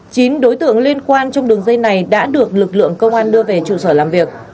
chín đối tượng liên quan trong đường dây này đã được lực lượng công an đưa về trụ sở làm việc